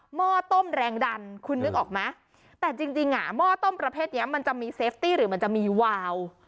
ห้อต้มแรงดันคุณนึกออกไหมแต่จริงอ่ะหม้อต้มประเภทนี้มันจะมีเซฟตี้หรือมันจะมีวาว